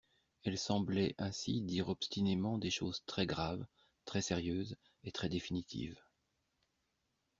Elle semblait ainsi dire obstinément des choses très graves, très sérieuses et très définitives.